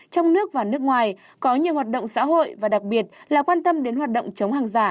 trong nước và nước ngoài có nhiều hoạt động xã hội và đặc biệt là quan tâm đến hoạt động chống hàng giả